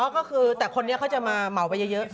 ก็คือแต่คนนี้เขาจะมาเหมาไปเยอะ